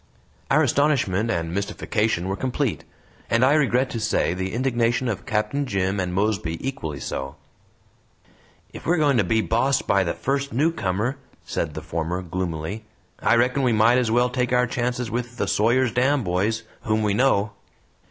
Our astonishment and mystification were complete; and I regret to say, the indignation of Captain Jim and Mosby equally so. "If we're going to be bossed by the first newcomer," said the former, gloomily, "I reckon we might as well take our chances with the Sawyer's Dam boys, whom we know."